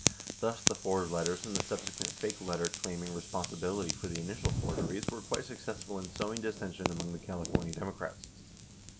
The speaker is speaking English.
Thus, the forged letters, and the subsequent fake letter claiming responsibility for the initial forgeries were quite successful in sowing dissension among the California Democrats.